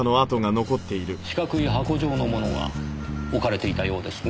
四角い箱状のものが置かれていたようですねぇ。